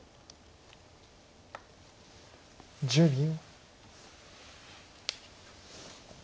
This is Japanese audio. １０秒。